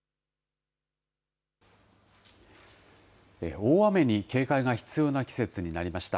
大雨に警戒が必要な季節になりました。